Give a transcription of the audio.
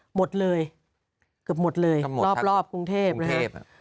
หมดเลยเกือบหมดเลยรอบกรุงเทพนะครับ